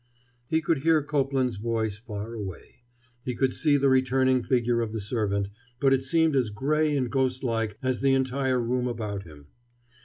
He could hear Copeland's voice far away. He could see the returning figure of the servant, but it seemed as gray and ghostlike as the entire room about him.